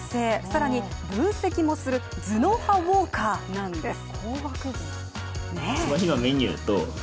更に分析もする頭脳派ウォーカーなんです。